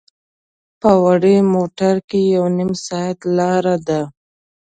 په وړې موټر کې یو نیم ساعت لاره ده.